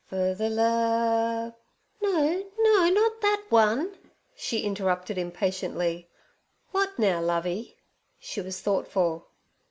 Fer ther love—"' 'No, no, not that one' she interrupted impatiently. 'W'at now, Lovey?' She was thoughtful.